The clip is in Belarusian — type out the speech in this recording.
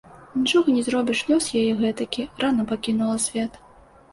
Нічога не зробіш, лёс яе гэтакі, рана пакінула свет.